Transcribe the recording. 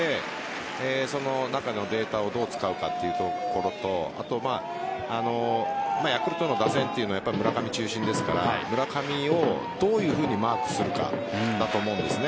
その中のデータをどう使うかというところとヤクルトの打線は村上中心ですから村上をどういうふうにマークするかだと思うんです。